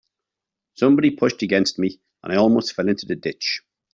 Somebody pushed against me, and I almost fell into the ditch.